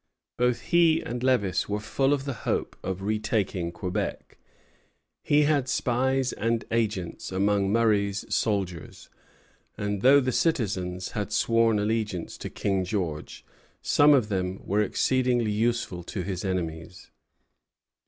Both he and Lévis were full of the hope of retaking Quebec. He had spies and agents among Murray's soldiers; and though the citizens had sworn allegiance to King George, some of them were exceedingly useful to his enemies.